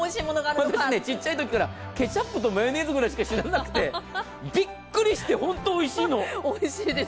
ちっちゃいときから、ケチャップとマヨネーズぐらいしか知らなくて、びっくりして、本当においしいの。